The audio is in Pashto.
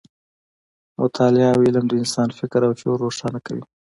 مطالعه او علم د انسان فکر او شعور روښانه کوي.